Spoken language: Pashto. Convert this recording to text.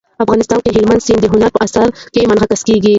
افغانستان کې هلمند سیند د هنر په اثار کې منعکس کېږي.